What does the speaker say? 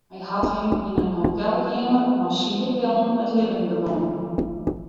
Hy hat him yn in hotelkeamer mei slieppillen it libben benommen.